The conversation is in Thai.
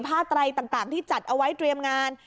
ไตรต่างที่จัดเอาไว้เตรียมงาน